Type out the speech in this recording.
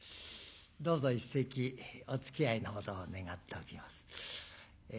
どうぞ一席おつきあいのほどを願っておきます。